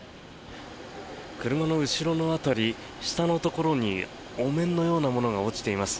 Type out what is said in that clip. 車の後ろの辺り、下のところにお面のようなものが落ちています。